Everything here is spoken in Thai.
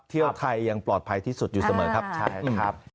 เที่ยวไทยอย่างปลอดภัยที่สุดอยู่เสมอครับ